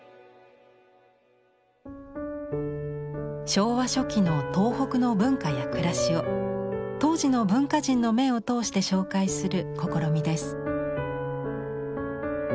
昭和初期の東北の文化や暮らしを当時の文化人の目を通して紹介する試みです。